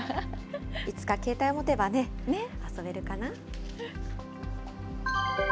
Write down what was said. いつか携帯を持てばね、遊べるかな。